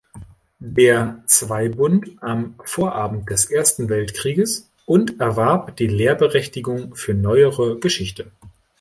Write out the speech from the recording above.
Der Zweibund am Vorabend des Ersten Weltkrieges" und erwarb die Lehrberechtigung für Neuere Geschichte.